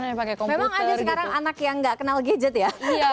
memang ada sekarang anak yang gak kenal gadget ya